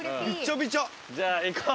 じゃあ行こう。